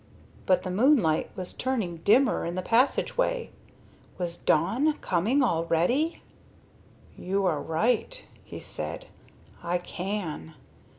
But the moonlight was turning dimmer in the passageway. Was dawn coming already? "You are right," he said. "I can.